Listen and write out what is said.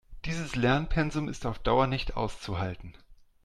Dieses Lernpensum ist auf Dauer nicht auszuhalten.